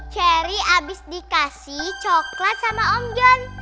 cherry abis dikasih coklat sama om jon